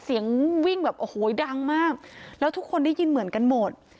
เสียงวิ่งแบบโอ้โหดังมากแล้วทุกคนได้ยินเหมือนกันหมด